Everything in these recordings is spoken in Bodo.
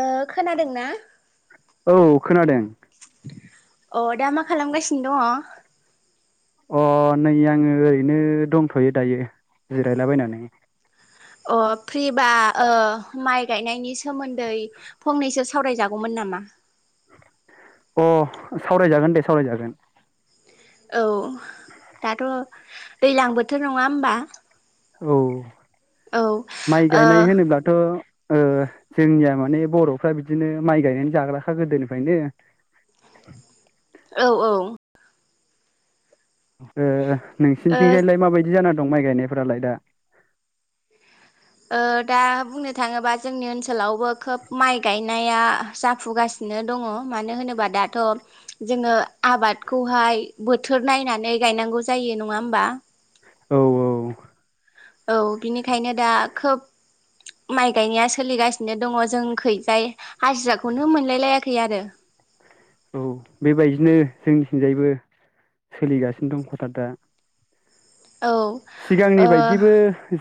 ओ खोनादोंना? औ खोनादों अ दा मा खालाम गासिनो दंङ? अ नै आंङो ओरैनो दंथ'यो दायो जिरायलाबायनानै अ फ्रिबा ओ माइ गायनायनि सोमोन्दै फंनैसो सावरायजागौमोन नामा? अ सावरायजागोन दे सावरायजागोन औ दाथ' दैलां बोथोर नंङा होमबा? औ औ ओ माइ औ गायनाय होनोब्लाथ' ओ जोंनिया माने बर'फ्रा बिदिनो माइ गायनानै जाग्राखा गोदोनिफ्रायनो औ औ ए ओ नोंसिनिथिंजायलाय माबायदि जाना दं माइ गायनायफोरालाय दा ओ दा बुंनो थांङोबा जोंनि ओनसोलावबो खोब माइ गाय नाया जाफुगासिनो दंङ मानो होनोबा दाथ' जोंङो आबादखौय हाय बोथोर नायनानै गायनांगौ जायो नंङा होमबा‌। औ औ औ बिनिखायनो दा खोब माइ गायनाया सोलिगासिनो दंङ जोंखैजाय हाजिराखौनो मोनलाय लायाखै आरो। औ बेबायदिनो जोंनिथिंजायबो सोलिगासिनो दं कथार दा औ ओ सिगांनि बायदिबो औ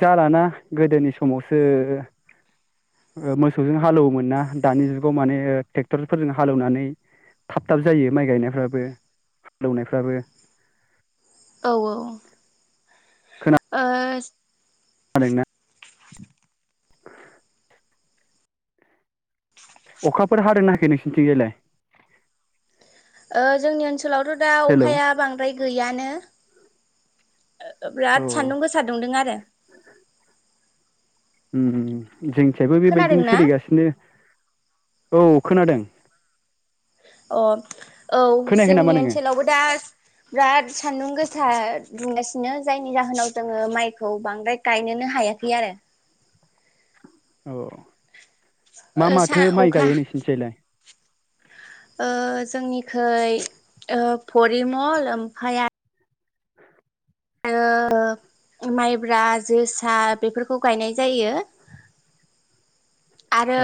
जालाना गोदोनि समावसो ओ मोसौजों हालौवोमोन ना दानि जुगाव माने ट्रेक्टरफोरजों हालौनानै थाब थाब जायो माइ गायनायफ्राबो हालौनायफ्राबो औ औ। ओ [unintelligible] [inaudible] [inaudible] अखाफोर हादोंना हायाखै नोंसिनिथिं जायलाय ओ जोंनि ओनसोलावथ' दा अखाया बांद्राय गैयानो। औ बिराद सान्दुं गोसा दुंदों आरो उम जोंनिथिंजायबो बेबायदिनो खोनादोंना सोलिगासिनो। औ खोनादों। अ औ खोनायाखै नामा जोंनि नोङो ओनसोलावबो दा बिराद सान्दुं गोसा बुंगासिनो जायनि जाहोनाव जोङो माइखौ बांद्राय गायनोनो हायाखै आरो औ मा ओ सा माथो माइ अखा गायो नोंसिनि थिंलाय। ओ जोंनिखाय परिमल ओमफ्राय आरो‌। [unintelligible] माइब्रा जोसा बेफोरखौ गायनाय जायो।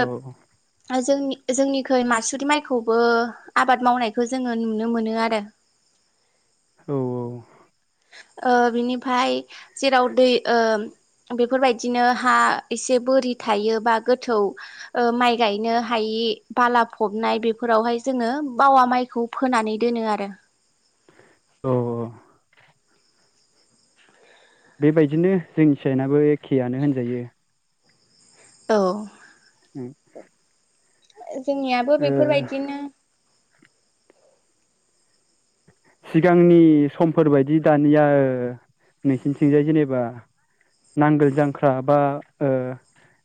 औ औ। आ जोंनि जोंनिखै मासुरि माइखौबो आबाद मावनायखौ जोङो नुनो मोनो आरो [inaudible] औ औ। ओ बिनिफाय जेराव दै ओ बेफोरबायदिनो हा एसे बोरि थायो बा गोथौ ओ माइ गायनो हायि बिदि बाला फबनाय बेफोरावहाय जोङो बावा माइखौ फोनानै दोनो आरो औ। बेबायदिनो जोंनि साइनाबो एखेआनो होनजायो। औ। उम। जोंनियाबो ओ बेफोरबायदिनो सिगांनि समफोरबायायदि दानिया नोंसिनिथिंजाय जेनेबा नांगोल जांख्रा बा ओ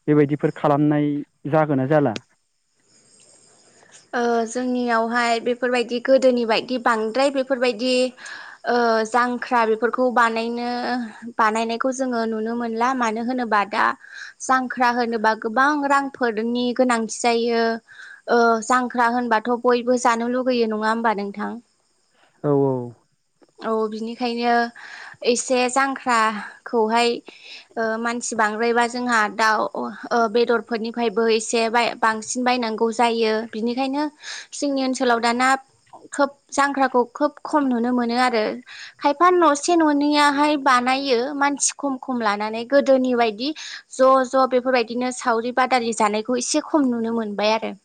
बेबायदिफोर खालामनाय जागोना जाला? [inaudible] ओ जोंनियावहाय बेफोरबायदि गोदोनि बायदि बांद्राय बेफोरबायदि ओ ओ जांख्रा बिफोरखौ बानायनो बानायनायखौ जोङो नुनो मोनला मानो होनोबा दा आं जांख्रा होनोबा गोबां रांफोरनि गोनांथि जायो ओ जांख्रा होनबाथ' बयबो जानो लुगैयो नङा होमबा नोंथां। औ औ। औ बिनिखायनो एसे जांख्राखौहाय ओ मानसिबा बांद्रायबा जोंहा दाउ ओ बेदरफोरनिफायबो एसे बाय बांसिन बायनांगौ जायो। बिनिखायनो जोंनि ओनसोलाव दाना खोब जांख्राखौ खोब खम नुनो मोनो। नों आरो खायफा न'से ननैयाहाय बानायो मानसि खम खम लानानै गोदोनि नि बायदि ज' ज' बेफोरबायदिनो सावरि बादालि जानायखौ एसे खम नुनो मोनबाय आरो [inaudible]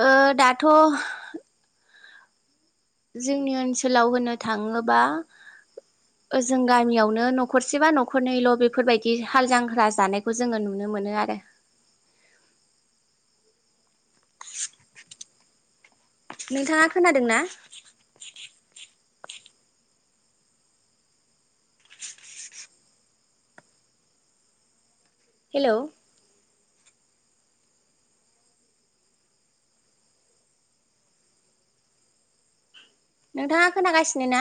ओ दाथ' जोंनि ओनसोलाव होनो थाङोबा ओजों गामियावनो न'खरसेबा न'खरनैल' बेफोरबायदि हाल जांख्रा जानायखौ जोङो नुनो मोनो आरो नोंथाङा खोनादों ना हेल' नोंथाङा खोनागासिनो ना